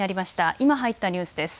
今、入ったニュースです。